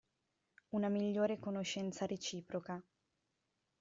Una migliore conoscenza reciproca.